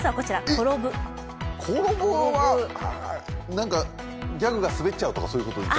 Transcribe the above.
転ぶはギャグが滑っちゃうとかそういうこと？